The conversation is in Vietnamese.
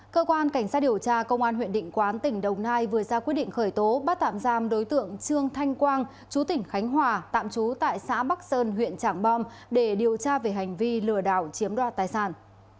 cơ quan cảnh sát điều tra công an huyện định quán tỉnh đồng nai vừa ra quyết định khởi tố bắt tạm giam đối tượng trương thanh quang chú tỉnh khánh hòa tạm trú tại xã bắc sơn huyện trảng bom để điều tra về hành vi lừa đảo chiếm đoạt tài sản